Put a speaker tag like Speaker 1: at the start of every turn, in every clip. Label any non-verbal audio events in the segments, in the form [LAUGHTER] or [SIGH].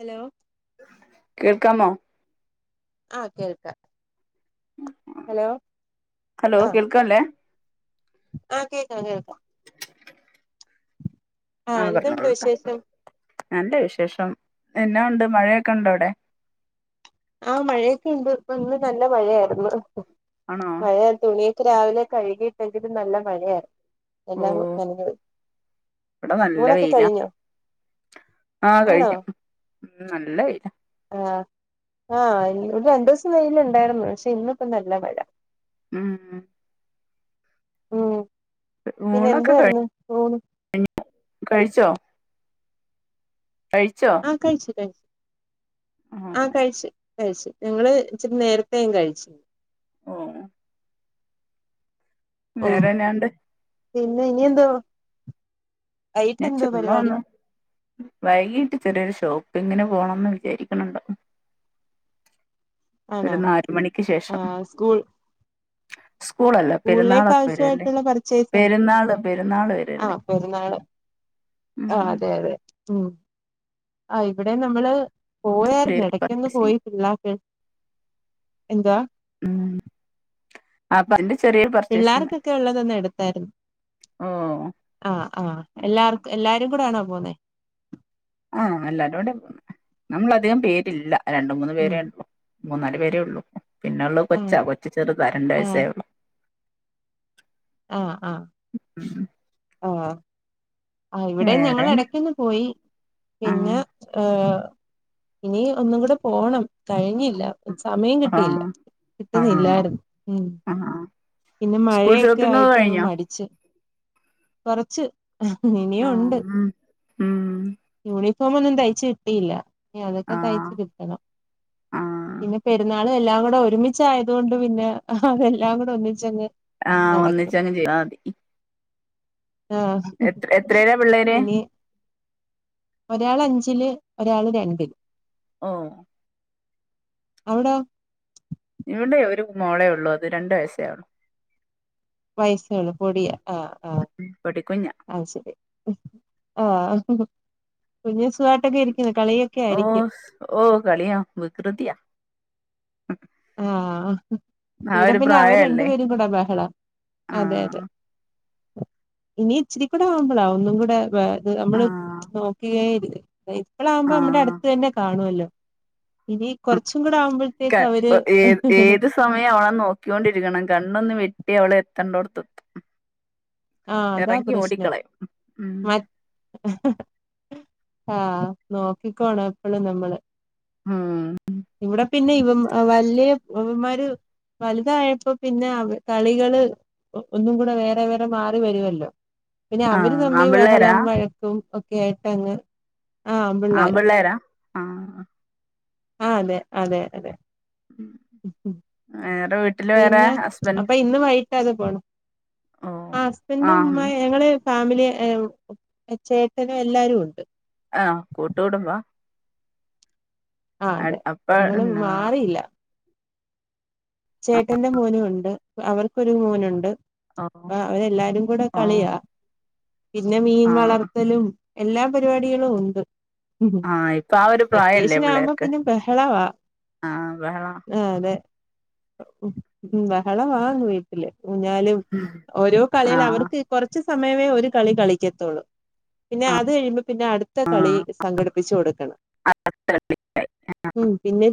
Speaker 1: Hello
Speaker 2: കേൾക്കാമോ
Speaker 1: ആ കേൾക്കാം ഹലോ
Speaker 2: ഹലോ കേൾക്ക്യാല്ലോ
Speaker 1: ആ കേക്കാം കേക്കാം ആ എന്തേണ്ട് വിശേഷം
Speaker 2: നല്ല വിശേഷം എന്നാഉണ്ട് മഴയൊക്കെ ഒണ്ടോ അവടെ
Speaker 1: ആ മഴയൊക്കെ ഒണ്ട് ഇപ്പം ഇന്ന് നല്ല മഴയായിരുന്നു
Speaker 2: ആണോ
Speaker 1: മഴയായ തുണി രാവിലെ കഴുകി എങ്കിലും നല്ല മഴയായിരന്ന്
Speaker 2: ഓ
Speaker 1: എല്ലാം നനഞ്ഞ് പോയി ഊണൊക്കെ കഴിഞ്ഞോ
Speaker 2: ആാ
Speaker 1: ആണോ
Speaker 2: കഴിക്കും ഉം നല്ല വെയിലാ
Speaker 1: ആ ആ ഇവടെ രണ്ട് ദെവസം വെയില് ഇണ്ടായിരുന്നു പശെ ഇന്നിപ്പം നല്ലാ മഴ
Speaker 2: ഉം
Speaker 1: ഓ
Speaker 2: ഊണൊക്കെ കഴി കഴിച്ചോ കഴിച്ചോ
Speaker 1: ആ കൈയിച്ചു കൈയിച്ച് ആ കഴിച്ച് കഴിച്ച് ഞങ്ങള് ഇച്ചിരി നേരത്തെയും കഴിച്ച്
Speaker 2: ഓ
Speaker 1: ഉം
Speaker 2: വേറെന്നാണ്ട്
Speaker 1: പിന്നെ ഇനിയെന്തോ
Speaker 2: ഞാൻ ചുമ്മാ വന്ന് വൈകീട്ട് ചെറിയൊരു ഷോപ്പ് പ്പിങ്ങിന് പോണം ന്ന് വിചാരിക്കണണ്ട് ഒര്
Speaker 1: ആണോ
Speaker 2: നാല് മണിക്ക് ശേഷം
Speaker 1: ആഹ് സ്കൂൾ
Speaker 2: സ്കൂളല്ല
Speaker 1: സ്കൂളിലേക്ക്
Speaker 2: പെരുന്നാളൊക്കെ വരുവല്ലേ
Speaker 1: ആവശ്യമായിട്ടുള്ള പർച്ചോസാണ്
Speaker 2: പെരുന്നാള് പെരുന്നാള്
Speaker 1: ആ
Speaker 2: വരുവല്ലേ
Speaker 1: പെരുന്നാള്
Speaker 2: ഉം
Speaker 1: ആ അതെ അതെ ഉം ആ ഇവടെ നമ്മള് പോയാര്ന്ന്
Speaker 2: ചെറിയൊരു
Speaker 1: ഇടക്കൊന്ന്
Speaker 2: പർച്ചേസിങ്
Speaker 1: പോയി പിള്ളാർക്ക് എന്തവാ
Speaker 2: ഉം [UNINTELLIGIBLE] പർച്ചേസിങ്
Speaker 1: പിള്ളാർക്കെക്കെ ള്ളതന്ന് എടുത്തായിര്ന്ന്
Speaker 2: ഓ
Speaker 1: ആ ആ എല്ലാർ എല്ലാരും കൂടെ ആണോ പോന്നേ
Speaker 2: ആ എല്ലരോടെ പോന്നേ നമ്മള് അധികം പേരില്ല രണ്ട്മൂന്ന്
Speaker 1: ഉം
Speaker 2: പേരെള്ളു മൂന്നാല് പേരേ ഒള്ളൂ പിന്നെള്ള
Speaker 1: ആ
Speaker 2: കൊച്ചാ കൊച്ച് ചെറ്ത രണ്ട്
Speaker 1: ആ
Speaker 2: വയസ്സായെള്ളൂ
Speaker 1: ആ ആ ആ ആ ഇവിടെം
Speaker 2: വേറെ
Speaker 1: ഞങ്ങളെടക്കെന്ന് പോയി
Speaker 2: ആഹ്
Speaker 1: പിന്നെ ഏ ഇനി ഒന്നും കൂടെ പോണം കഴിഞ്ഞി ല്ല സമയം കിട്ടിയില്ല
Speaker 2: ആഹ് ആഹ്
Speaker 1: കിട്ടുന്നില്ലായിരുന്നു ഉ
Speaker 2: ആഹ്
Speaker 1: പിന്നെ
Speaker 2: സ്കൂൾ
Speaker 1: മഴയൊക്കെ
Speaker 2: ഷോപ്പിംഗ് ഒക്കെ
Speaker 1: ആയിട്ട് അങ്ങ്
Speaker 2: കഴിഞ്ഞോ
Speaker 1: മടിച്ച് കൊറച്ച് ഇനിയും ഉണ്ട്
Speaker 2: ആഹ് ഉം ഉം
Speaker 1: ഇ ഫോമൊന്നും തയ്ച്ച് കിട്ടില്ല ഞതൊക്കെ
Speaker 2: ആഹ്
Speaker 1: തയ്ച്ച് കിട്ടണം
Speaker 2: ആഹ്
Speaker 1: പിന്നെ പെര്ന്നാ ഇതെല്ലാം കൂടെ ഒരുമിച്ചായതൊണ്ട് പിന്നെ ഹതെല്ലാം കൂടെ ഒന്നിച്ച്- ച്ചങ്ങ്
Speaker 2: ആ ഒന്നിച്ചങ്ങ് ചെയ്യതാ മതി
Speaker 1: ആ ഹ്
Speaker 2: എത്ര എത്രേലാ പിള്ളേര്
Speaker 1: ഇനി ഒരാളഞ്ചില് ഒരാള് രണ്ട്
Speaker 2: ഓ
Speaker 1: അവ്ടോ
Speaker 2: ഇവിടെ ഒരു മോളേ ഉള്ളൂ അത് രണ്ട വയസ്സേള്ളു
Speaker 1: വയസ്സേള്ളൂ പൊടിയ ആ ആ
Speaker 2: പൊടിക്കുഞ്ഞാ
Speaker 1: ആ അഅ് ശെരി ആ ഹ്‌ ഹ് കുഞ്ഞിന്സുഖായിട്ടൊക്കെ ഇര്
Speaker 2: ഓ ഓ കളിയാ വികൃതിയാ
Speaker 1: ആ ഹ്
Speaker 2: ആ
Speaker 1: ഇവിടെ
Speaker 2: ഒരു
Speaker 1: പിന്നെ അവര് രണ്ടു
Speaker 2: പ്രായല്ലേ
Speaker 1: പേരും കൂടെ ബഹള അതെ യതെ
Speaker 2: ആഹ്
Speaker 1: ഇനി ഇച്ചിരി കൂടെ ആവുമ്പളാ ഒന്നും കൂടെ വ ത് നമ്മള്
Speaker 2: ആഹ്
Speaker 1: നോക്കിയേര ഇപ്പളാകുമ്പോ നമ്മടെ
Speaker 2: ആഹ്
Speaker 1: അടുത്ത് തന്നെ കാണുല്ലോ ഇനി കൊർച്ചും കൂടെ ആവുമ്പഴത്തേക്ക് അവര്
Speaker 2: ഏ ഏതു സമയം അവളെ നോക്കിക്കൊണ്ടിരിക്കണം കണ്ണൊന്ന് വെ ട്ടിയ അവള് എത്തേണ്ടോട്ത്തെത്തും
Speaker 1: ആ അതാ പ്രശ്നം മ
Speaker 2: ഉം
Speaker 1: ഹ്‌ഹ് ആ നോക്കിക്കോണ എപ്പോളും നമ്മള്
Speaker 2: ഉം
Speaker 1: ഇവിടെ പിന്നെ ഇവ വെല്ല്യ ഇവന്മാര് വൽതായപ്പോ പിന്നെ അവ കളികള് ഒന്നുംകൂടെ വേറെ വേ മാറി വരുഅല്ലോ പിന്നെ
Speaker 2: ആഹ്
Speaker 1: അവര്തമ്മി
Speaker 2: ആമ്പിള്ളേരാ
Speaker 1: ബഹളവും വഴക്കും കേട്ടങ്ങ്
Speaker 2: ആൺപിള്ളേരാ
Speaker 1: ആ തെ അതെ ഉം.
Speaker 2: വേറെ വീട്ടില് വേറെ ഹസ്ബൻറ്
Speaker 1: അതെ പോണം ആ ഹസ്ബൻറും
Speaker 2: ആഹ്
Speaker 1: ഉമ്മയ് ഞങ്ങള് ഫാമിലി ഏം ചേട്ടനും എല്ലാരുണ്ട്
Speaker 2: ആ കൂട്ടുകൂടുമ്പ
Speaker 1: ആ അതെ നമ്മള്
Speaker 2: എന്നാ
Speaker 1: മാറിയില്ല ചേട്ടന്റെ മോനും ഉണ്ട് അവർക്കൊരു മോനൊണ്ട്
Speaker 2: ഓ
Speaker 1: ആ അവരെല്ലാരും കൂടെ
Speaker 2: ഓ
Speaker 1: കളിയാ പിന്നെ മീൻ
Speaker 2: ആഹ്
Speaker 1: വളർത്തലും എല്ലാ പരിപാടികളും ഉണ്ട്
Speaker 2: ആ ഇപ്പൊ ആ ഒരു പ്രായല്ലേ
Speaker 1: വെക്കേഷൻ ആവുമ്പോ
Speaker 2: പിള്ളേർക്ക്
Speaker 1: പിന്നെ ബഹളവാ
Speaker 2: ആ ബഹളവ
Speaker 1: ബഹളവാ അങ്ങ് വീട്ടില് ഊഞ്ഞാലും ഓരോ കളികള്
Speaker 2: ആഹ്
Speaker 1: അവർക്ക് കൊറച്ച് സ്ഥ സമയമേ ഒരു കളി കളിക്കത്തൊള്ളൂ പിന്നെ അത് കഴിയുമ്പോ പിന്നെ അടുത്ത കളി സംഘടിപ്പിച്ചു കൊടുക്കണം
Speaker 2: ആഹ്
Speaker 1: മം പിന്നെ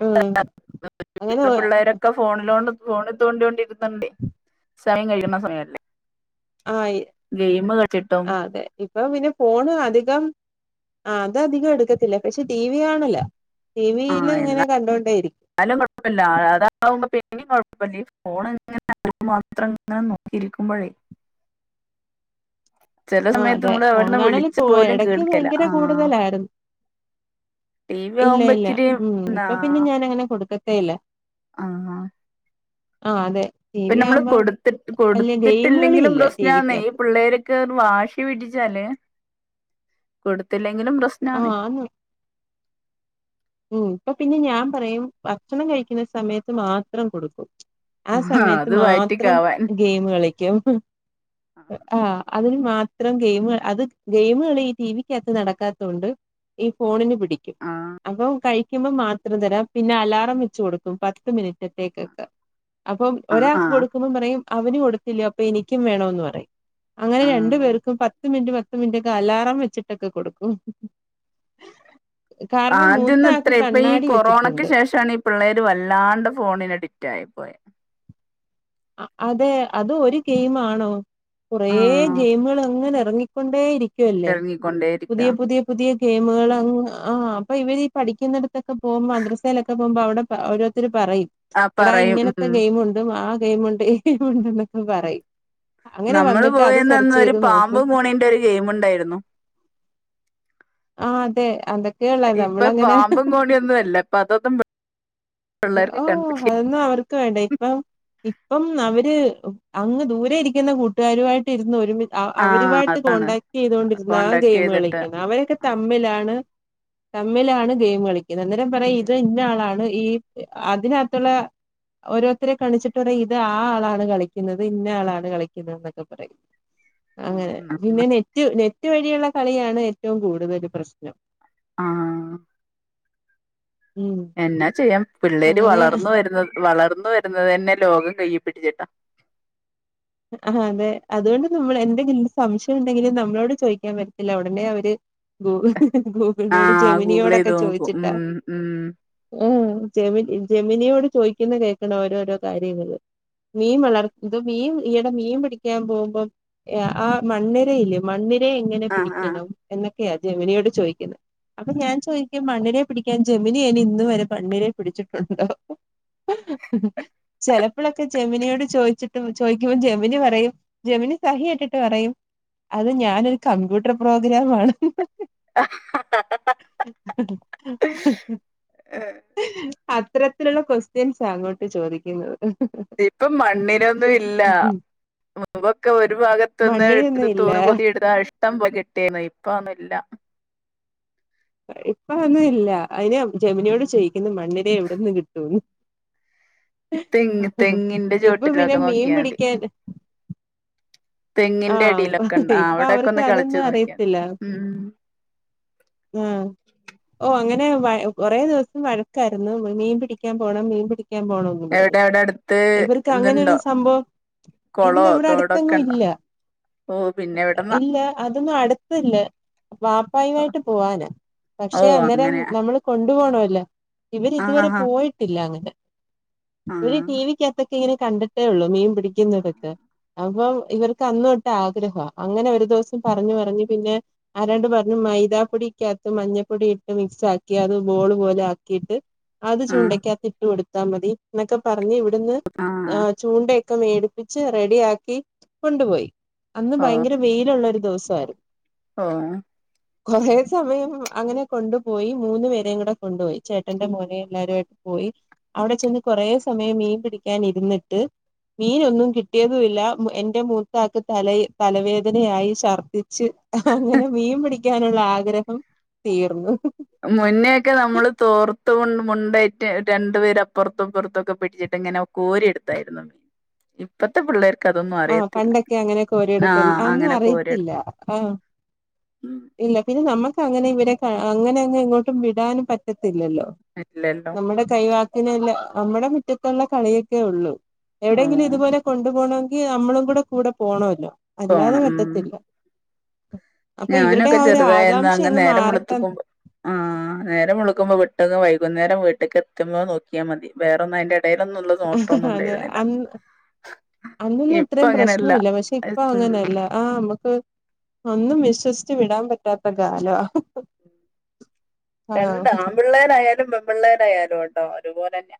Speaker 1: ഹ്മ്
Speaker 2: [INAUDIBLE] പിള്ളേരൊക്കെ ഫോൺ ഫോണില് തോണ്ടിത്തൊണ്ടിരിക്കുന്നുണ്ടേ സമയം കഴിക്കുന്ന സമയല്ലേ
Speaker 1: ആ
Speaker 2: ഗെയിം കളിച്ചിട്ടും
Speaker 1: ആ അതെ ഇപ്പൊ പിന്നെ ഫോണ് അധികം ആ അത് അധികം എടുക്കത്തില്ല പക്ഷെ ടി വി കാണല്ലാ ടി വിയില് ഇങ്ങനെ കണ്ടുകൊണ്ടേ ഇരിക്കും
Speaker 2: ന്നാലും കുഴപ്പമില്ല അതാകുമ്പോ പിന്നെയും കുഴപ്പമില്ല ഈ ഫോൺ ഇങ്ങനെ [INAUDIBLE] മാത്രം ഇങ്ങനെ നോക്കിയിരിക്കുമ്പോഴേ ചില
Speaker 1: ആ
Speaker 2: സമയത്ത്
Speaker 1: അതെ
Speaker 2: നമ്മള്
Speaker 1: ഫോൺ
Speaker 2: അവിടുന്ന് വിളിച്ച
Speaker 1: കാണലിപ്പോ
Speaker 2: പോലും
Speaker 1: ഇടക്ക്
Speaker 2: കേൾക്കല
Speaker 1: ഭയങ്കര
Speaker 2: ആ
Speaker 1: കൂടുതലായിരുന്നു
Speaker 2: ടി വി
Speaker 1: ഇല്ല
Speaker 2: ആവുമ്പോ
Speaker 1: ഇല്ല
Speaker 2: ഇച്ചിരി
Speaker 1: ഹ്മ് ഇപ്പൊ പിന്നെ ഞാൻ അങ്ങനെ കൊടുക്ക ത്തേയില്ല
Speaker 2: ആഹ് ആഹ്
Speaker 1: ആ അതെ ടി
Speaker 2: ഇപ്പം
Speaker 1: വി
Speaker 2: നമ്മള്
Speaker 1: ആവുമ്പം
Speaker 2: കൊടുത്ത്ട്ട്
Speaker 1: വല്യ ഗെയിം
Speaker 2: കൊടുത്തിട്ടില്ലെങ്കിലും
Speaker 1: കളിയില്ല ടി
Speaker 2: പ്രശ്നാന്നെ ഈ
Speaker 1: വിക്കകത്ത്.
Speaker 2: പിള്ളേര്ക്ക്‌ - വാശി പിടിച്ചാല് കൊടുത് കൊടുത്തില്ലെങ്കിലും പ്രശ്നാണ്
Speaker 1: ആഹ് ആന്ന് ഉം ഇപ്പൊ പിന്നെ ഞാൻ പറയും ഭക്ഷണം കഴിക്കുന്ന സമയത്ത് മാത്രം കൊടുക്കും. ആ സമയത്ത്
Speaker 2: അത്
Speaker 1: മാത്രം
Speaker 2: വയറ്റിക്കാവാൻ
Speaker 1: ഗെയിം കളക്കും [INAUDIBLE] ആഹ് അതിന് മാത്രം ഗെയിമ് അത് ഗെയിമ് കളി ഈ ടി വിക്കകത്ത് നടക്കാത്തോണ്ട് ഈ ഫോണിന് പിടി ടിക്കും
Speaker 2: ആ
Speaker 1: കഴിക്കുമ്പോ മാത്രം തരാം പിന്നെ അലാറം വെച്ച് കൊടുക്കും പത്ത് മിനിറ്റത്തേക്കൊക്കെ അപ്പം
Speaker 2: ആ
Speaker 1: ഒരാക്ക്
Speaker 2: ആ
Speaker 1: കൊടുക്കുമ്പം പറയും അവന് കൊടുത്തില്ലേ അപ്പം എനിക്കും വേണം ന്ന് പറയും അങ്ങനെ രണ്ടു
Speaker 2: ആഹ്
Speaker 1: പേർക്കും പത്ത് മിനിറ്റ് പത്ത് റ്റൊക്കെ അലാറം വെച്ചിട്ടൊക്കെ കൊടുക്കും കാരണം
Speaker 2: ആദ്യം
Speaker 1: മൂത്ത
Speaker 2: ഒന്നും
Speaker 1: ആൾക്ക്
Speaker 2: ഇത്രയും ഇപ്പൊ ഈ
Speaker 1: കണ്ണാടി
Speaker 2: കൊറോണക്ക്
Speaker 1: വെച്ചിട്ടുണ്ട്
Speaker 2: ശേഷമാണ് ഈ പിള്ളേര് വല്ലാണ്ട് ഫോണിന് അഡിക്റ്റായിപ്പോയെ
Speaker 1: അതെ അത് ഒരു ഗെയിമാണോ കുറേ
Speaker 2: ആഹ്
Speaker 1: ഗെയിമുകൾ അങ്ങനെ ഇറങ്ങിക്കൊണ്ടേയിരി ക്കയല്ലേ
Speaker 2: എറങ്ങിക്കൊണ്ടേയിരിക്ക
Speaker 1: പുതിയ പുതിയ പുതിയ ഗെയിമുകൾ ആ അപ്പൊ ഇവര് ഈ പഠിക്കുന്നിടത്തൊക്കെ പോകുമ്പോ മദ്രസയിലൊക്കെ പോകുമ്പോൾ അവിടെ ഓരോരുത്തര് പറയും
Speaker 2: ആ
Speaker 1: എടാ
Speaker 2: പറയും
Speaker 1: ഇങ്ങനത്തെ
Speaker 2: ഉം
Speaker 1: ഗെയിമുണ്ട് വാ ഗെയിമുണ്ട് ഗെയിമുണ്ട് എന്നൊക്കെ പറയും അങ്ങനെ
Speaker 2: നമ്മള്
Speaker 1: വന്നിട്ട് അത്
Speaker 2: പോയിരുന്ന അന്ന്
Speaker 1: സെർച്ച്
Speaker 2: ഒരു
Speaker 1: ചെയ്ത് നോക്കും
Speaker 2: പാമ്പും കോണീന്റെ ഒരു ഗെയിമുണ്ടായിരുന്നു
Speaker 1: ആ അതെ അതൊക്കെയുള്ള
Speaker 2: ഇപ്പൊ
Speaker 1: നമ്മളങ്ങനെ
Speaker 2: പാമ്പും കോണിയൊന്നുമല്ല ഇപ്പൊ അതൊന്നും പിള്ളേർക്ക്
Speaker 1: ഓ
Speaker 2: കൺഫ്യൂഷൻ
Speaker 1: അതൊന്നും അവർക്ക് വേണ്ട ഇപ്പം ഇപ്പം അവര് അങ്ങ് ദൂരെ ഇരിക്കുന്ന കൂട്ടുകാരുമായിട്ട് ഇരുന്ന് ഒരുമി
Speaker 2: ആഹ്
Speaker 1: അവരുമായിട്ട്
Speaker 2: അതാണ്
Speaker 1: കോൺടാക്ട് ചെയ്തൊണ്ടിരുന്ന
Speaker 2: കോണ്ടാക്ട്
Speaker 1: ഗെയിമ്
Speaker 2: ചെയ്തിട്ട്
Speaker 1: കളിക്കാണ് അവരൊക്കെ തമ്മിലാണ് തമ്മിലാണ് ഗെയിമ് കളിക്കുന്നത് ഇത് അന്നേരം പറയും ഇത് ഇന്ന ആളാണ് ഈ അതിനകത്തുള്ള ഓരോരുത്തരെ കളിച്ചി ഇത് ആ ആളാണ് കളിക്കുന്നത് ഇന്ന ആളാണ് കളിക്കുന്നത് എന്നൊക്കെ പറയും അങ്ങനെ പിന്നെ നെറ്റ് നെ നെറ്റ് വഴിയുള്ള കളിയാണ് ഏറ്റവും കൂടുതൽ പ്രശ്നം
Speaker 2: ആ
Speaker 1: ഉം
Speaker 2: എന്നാ ചെയ്യാം പിള്ളേര്
Speaker 1: അങ്ങനെ
Speaker 2: വളർന്നു വരുന്നത് വളർന്നു വരുന്നത് തന്നെ ലോക കയ്യേപിടിച്ചിട്ടാ
Speaker 1: അതെ അതുകൊണ്ട് നമ്മൾ എന്തെങ്കിലും സംശയം ഉണ്ടെങ്കിലും നമ്മളോട് ചോദിക്കാൻ വരത്തില്ല അവിടുന്നെ അവര് ഗൂഗിൾ ഗൂഗിളിനോടും
Speaker 2: ആഹ് ഗൂഗിൾ ചെയ്ത്
Speaker 1: ജെമിനിയോടൊക്കെ
Speaker 2: നോക്കും ഉം
Speaker 1: ചോദിച്ചിട്ടാ
Speaker 2: ഉം
Speaker 1: ഉ ജെമി ജെമിനിയോട് ചോദിക്കുന്ന കേൾക്കണം ഓരോരോ കാര്യങ്ങള് മീൻ വളർത്ത് ന്ത് മീൻ ഈയിടെ മീൻ പിടിക്കാൻ പോവുമ്പോ ആ മണ്ണിരയില്ലേ മണ്ണി ര എങ്ങനെ
Speaker 2: ആഹ് ആഹ്
Speaker 1: പിടിക്കണം എന്ന ജെമിനിയോട് ചോദിക്കുന്നെ അപ്പൊ ഞാൻ ചോദിക്കും മണ്ണിരയെ പിടിക്കാൻ ജമിനി അയിന് ഇന്ന് വരെ മണ്ണിരയെ പിടിച്ചിട്ടുണ്ടോ ചിലപ്പോഴൊക്കെ ജെമിനിയോട് ചോദിച്ചിട്ടും ചോദിക്കുമ്പോ ജെമിനി പറയും ജെമിനി സഹികെട്ടിട്ട് പറയും അത് ഞാനൊരു കമ്പ്യൂട്ടർ പ്രോഗ്രാം ആണ് [UNINTELLIGIBLE] അത്തരത്തിലുള്ള ക്വസ്റ്റ്യൻസാ അങ്ങോട്ട് ചോദിക്കുന്നത്
Speaker 2: ഇപ്പൊ മണ്ണിരൊന്നും ഇല്ലാ ഇല്ല മുമ്പൊക്കെ ഒരു ഭാഗത്തെന്ന്
Speaker 1: മണ്ണിരയൊന്നും
Speaker 2: ഇത്തിരി
Speaker 1: ഇല്ല
Speaker 2: തോറ് കൂട്ടി എടുത്താ ഇഷ്‌ടം പോലെ കിട്ടിയേനെ ഇപ്പോ അതൊന്നുല്ല
Speaker 1: ഇപ്പൊ അതൊന്നും ഇല്ല അയിന് ജമിനിയോട്
Speaker 2: ഉം
Speaker 1: ചോദിക്കുന്നു മണ്ണിരയെ എവിടുന്ന് കിട്ടൂന്ന്
Speaker 2: തെങ്ങ് തെങ്ങിന്റെ
Speaker 1: ഇപ്പൊ പിന്നെ
Speaker 2: ചോട്ടിലൊക്കെ
Speaker 1: മീൻ
Speaker 2: നോക്കിയാ മതി
Speaker 1: പിടിക്കാൻ ആ
Speaker 2: തെങ്ങിന്റെ അടീലൊക്കൊൺ
Speaker 1: ഇപ്പൊ അവർക്ക്
Speaker 2: അവിടൊക്കൊന്ന് കെളച്ചു
Speaker 1: അതൊന്നും
Speaker 2: നോക്കിയാ
Speaker 1: അറിയത്തില്ല
Speaker 2: മതി ഉം
Speaker 1: പിന്നെ വ കുറെേ ദിവസം വഴക്കായിരുന്നു മീൻ പിടിക്കാൻ പോണം മീൻ പിടി ക്കാൻ പോണന്ന്
Speaker 2: എവിടെ
Speaker 1: പറഞ്ഞിട്ട്
Speaker 2: അവിടെ അടുത്ത്
Speaker 1: ഇവർക്ക് അങ്ങനെയരു
Speaker 2: ഇതുണ്ടോ
Speaker 1: സംഭവം ഇല്ല
Speaker 2: കൊളോ
Speaker 1: ഇവിടെ
Speaker 2: തോടൊക്കെ
Speaker 1: അടുത്തെങ്ങും
Speaker 2: ഉണ്ടോ
Speaker 1: ഇല്ല
Speaker 2: ഓഹ് പിന്നെ എവിടന്നാ
Speaker 1: ഇല്ല അതൊന്നും അടുത്തല്ല് വാപ്പായായിട്ട് പോവാന്ന് പക്ഷെ
Speaker 2: ഓഹ്
Speaker 1: അന്നേരം
Speaker 2: അങ്ങനെയാ
Speaker 1: നമ്മള് കൊണ്ടു പോണോലോ ല്ല ഇവര്
Speaker 2: ആഹ്
Speaker 1: ഇതുവരെ
Speaker 2: ആഹ്
Speaker 1: പോയിട്ടില്ലങ്ങനെ
Speaker 2: ആഹ്
Speaker 1: ഇവര് ടിവിക്കാത്ത് ങ്ങനെ കണ്ടിട്ടേ ഉള്ളൂ മീൻ പിടിക്കുന്നവരെയൊക്കെ അപ്പം ഇവർക്ക് അന്നോട്ട് ആഗ്രഹാ അങ്ങനെ ഒരു ദിവസം പറഞ്ഞ് പറഞ്ഞ് പിന്നെ ആരാണ്ട് പറഞ്ഞു മൈദാപ്പൊടിക്കാത്ത് മഞ്ഞപ്പൊടി ഇട്ട് മിക്സ് ആക്കി അത് ബോള് പോലെ ആക്കീട്ട് അത്
Speaker 2: ആഹ്
Speaker 1: ചൂണ്ടക്കാത്ത് ഇട്ട് കൊടുത്ത് താൻ മതി എന്നൊക്കെ പറഞ്ഞ് വി വിന്ന് ആ
Speaker 2: ആഹ്
Speaker 1: ചൂണ്ട ഒക്കെ മേടിപ്പിച്ച് റെഡിയാക്കി കൊണ്ടുപോയി അന്ന്
Speaker 2: ഓ
Speaker 1: ഭയങ്കര വെയിലുള്ളൊരു ദിവസായിരു
Speaker 2: ഓ
Speaker 1: കുറേ സമയം അങ്ങനെ കൊണ്ടുപോയി മൂന്ന് പേരേം കൂടെ കൊണ്ടോയി ചേട്ടന്റെ മോനെ എല്ലാവരുവായിട്ട് പോയി അവിടെ ചെന്ന് കൊറേ സമയം മീൻ പിടിക്കാൻ ഇരുന്നിട്ട് മീനൊന്നും കിട്ടിയതുല്ല എ ന്നെ മൂത്താൾക്ക് തല തലവേദനയായി ശർദ്ധി ച്ച് അങ്ങനെ മീൻ പിടി ക്കാനുള്ള ആഗ്രഹം തീർന്നു
Speaker 2: മുന്നേക്കെ നമ്മള് തോർത്തുകൊണ്ട് മുണ്ടായിട്ട് രണ്ടു പേര് അപ്പുറത്തുംപ്പുറത്തൊക്കെ പിടിച്ചിട്ട് ഇങ്ങനെ കോരി എടുത്താരുന്നു മീൻ ഇപ്പത്തെ പിള്ളേർക്ക് അതൊന്നും
Speaker 1: ആ
Speaker 2: അറിയത്തില്ല
Speaker 1: പണ്ടൊക്കെ അങ്ങനെയൊക്കെ കോരിയെടുക്കു
Speaker 2: ആഹ്
Speaker 1: ഒന്നും
Speaker 2: അങ്ങനെ
Speaker 1: അറിയത്തില്ല
Speaker 2: കോരിയെടുക്കും
Speaker 1: ആഹ്
Speaker 2: ഉം
Speaker 1: ഇല്ല പിന്നെ നമ്മക്ക് അങ്ങനെ ഇവരെ അങ്ങനെ അങ്ങ് ഇങ്ങോട്ടും വിടാനും പറ്റത്തി ല്ലല്ലോ
Speaker 2: ഇല്ലല്ലോ
Speaker 1: നമ്മുടെ കൈ പിന്നെല്ല നമ്മടെ മുറ്റത്തുള്ള കളിയൊക്കെ ഉള്ളു എവിടെയെങ്കിലും
Speaker 2: ആഹ്
Speaker 1: ഇതുപോലെ കൊണ്ടു പോണൊ- ങ്കി നമ്മളും കൂടെ കൂടെ പോണല്ലോ അല്ലാതെ
Speaker 2: പോണം ഉം
Speaker 1: പറ്റത്തില്ല അപ്പൊ ഇവരുടെ
Speaker 2: ഞാനൊക്കെ
Speaker 1: ആ ഒരു
Speaker 2: ചെറുതായിന്ന്
Speaker 1: ആകാംക്ഷ
Speaker 2: അങ്ങ് നേരം
Speaker 1: മാറട്ടെ
Speaker 2: വിളുത്തമ്പോ ആ നേരം വിളുക്കുമ്പോ ട്ടത് വൈകുന്നേരം വിട്ടക്ക് എത്തുമ്പോ നോക്കിയാൽ മതി വേറൊന്ന അയിന്റെ
Speaker 1: അതെ അ അന്നൊന്നും
Speaker 2: ഇപ്പ
Speaker 1: ഇത്രേം പ്രശ്നം
Speaker 2: അങ്ങനെയല്ല
Speaker 1: ഇല്ല പക്ഷെ ഇപ്പൊ അങ്ങനല്ല
Speaker 2: ഉം
Speaker 1: ആ മ്മക്ക് ഒന്നും വിശ്വസിച്ചു വിടാൻ പറ്റാത്ത കാലവാ ആഹ്
Speaker 2: രണ്ട് ആൺപിള്ളേരായാലും പെൺപിള്ളേരായാലുട്ടോ ഒരുപോലെന്നെയ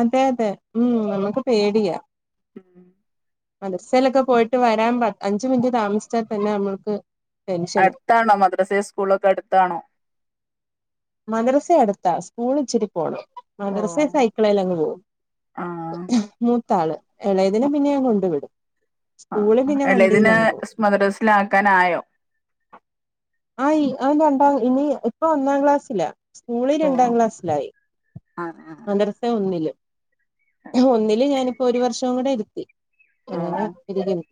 Speaker 1: അതെ അതെ ഉം നമുക്ക് പേടിയാ
Speaker 2: ഉം
Speaker 1: മദർസയിലൊക്കെ പോയിട്ട് വരാൻ പ അഞ്ചു മിനിറ്റ് താമസിച്ചാൽ തന്നെ നമ്മൾക്ക് ടെൻഷന്
Speaker 2: അടുത്താണോ മദ്രസേം സ്കൂളൊക്കെ അടുത്താണോ
Speaker 1: മദ്രസ അടുത്താ സ്കൂൾ ഇച്ചിരി പോണം
Speaker 2: ഓ
Speaker 1: മദ്രസെ സൈക്കിളെ അങ്ങ് പോകും
Speaker 2: ആ
Speaker 1: മൂത്ത ആള് ഇളയതിനെ പിന്നെ ഞാൻ കൊണ്ടു വിടും
Speaker 2: ആ
Speaker 1: സ്കൂള് പിന്നെ
Speaker 2: എളയതിനെ
Speaker 1: വണ്ടിയിലങ്ങ് പോം
Speaker 2: മദ്രസിലാക്കാനായോ
Speaker 1: ആ അവൻരണ്ടാ- ഇനി ഇപ്പൊ ഒന്നാം ക്ലാസ് ഇല്ല സ്കൂളിൽ
Speaker 2: ഓ
Speaker 1: രണ്ടാം ക്ലാസ്സിലായി
Speaker 2: ആ
Speaker 1: മദരസേൽ ഒന്നില് ഒന്നില് ഞാനിപ്പോ ഒരു വർഷവും കൂടെ ഇരുത്തി
Speaker 2: ഓ
Speaker 1: അങ്ങനെ ഇരിക്കുന്നു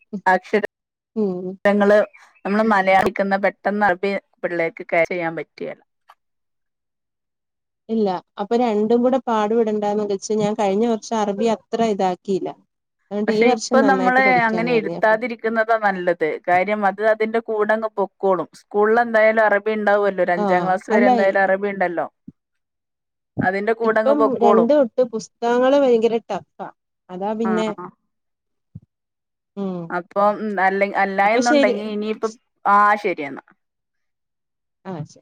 Speaker 1: ഉം
Speaker 2: അക്ഷരങ്ങള് നമ്മള് മലയാളിക്കുന്ന പെ പെട്ടെന്ന് അറബി പിള്ളേക്ക് ക്യാച്ച് ചെയ്യാൻ പറ്റകേല
Speaker 1: ഇല്ല അപ്പൊ രണ്ടും കൂടെ പാടുപെടണ്ടാന്ന് വെച്ച് ഞാൻ കഴിഞ്ഞ വർഷം അറബി അത്ര ഇതാക്കിയില്ല അതുകൊണ്ട് ഈ
Speaker 2: പക്ഷെ
Speaker 1: വർഷം
Speaker 2: ഇപ്പൊ
Speaker 1: നന്നായിട്ട്
Speaker 2: നമ്മളെ അങ്ങനെ
Speaker 1: പഠിക്കാന്ന് കരുതി അപ്പൊ
Speaker 2: ഇരുത്താതിരിക്കുന്നതാ നല്ലത് കാര്യം അത് അതിന്റെ കൂടങ്ങ് പൊക്കോളും സ്കൂളിൽ എന്തായാലും അറ- അറബി ഇണ്ടാവുമല്ലോ ഒരഞ്ചാം
Speaker 1: ആഹ് അല്ല
Speaker 2: ക്ലാസവരെന്തായാലും അറബി ഇണ്ടല്ലോ
Speaker 1: ഇപ്പം
Speaker 2: പൊക്കോളും
Speaker 1: രണ്ട് തൊട്ട് പുസ്തകങ്ങള് ഭയങ്കര ടഫാ അതാ
Speaker 2: ആ
Speaker 1: പിന്നെ
Speaker 2: ആ
Speaker 1: ഉം
Speaker 2: അപ്പം ഉം അല്ല അല്ലാ
Speaker 1: അപ്പൊ ശരി
Speaker 2: എന്നുണ്ടെങ്കി ഇനിയിപ്പ ആഹ് ശരി ഏന്ന
Speaker 1: ആഹ് ശെ